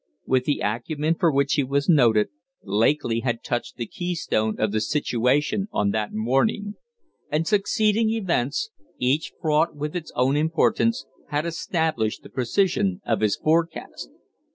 With the acumen for which he was noted, Lakely had touched the key stone of the situation on that morning; and succeeding events, each fraught with its own importance, had established the precision of his forecast.